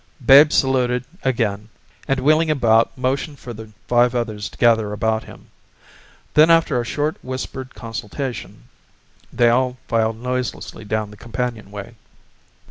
Babe saluted again and wheeling about motioned for the five others to gather about him. Then after a short whispered consultation they all filed noiselessly down the companionway.